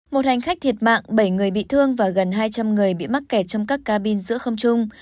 một hành khách thiệt mạng bảy người bị thương và gần hai trăm linh người bị mắc kẹt trong các ca bin giữa không trung